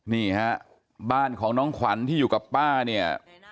นี่ฮะบ้านของน้องขวัญที่อยู่กับป้าเนี่ย